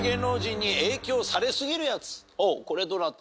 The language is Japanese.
これどなた？